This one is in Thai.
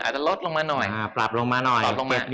อาจจะลดลงมานาย